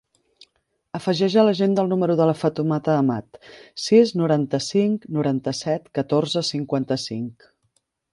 Afegeix a l'agenda el número de la Fatoumata Amat: sis, noranta-cinc, noranta-set, catorze, cinquanta-cinc.